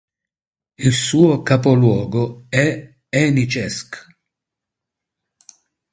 Il suo capoluogo è Heničes'k.